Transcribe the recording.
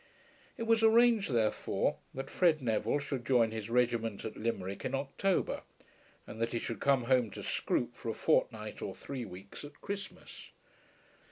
It was arranged, therefore, that Fred Neville should join his regiment at Limerick in October, and that he should come home to Scroope for a fortnight or three weeks at Christmas.